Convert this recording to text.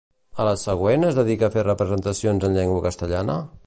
A la següent es dedica a fer representacions en llengua castellana?